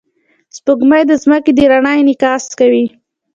سپوږمۍ د ځمکې د رڼا انعکاس کوي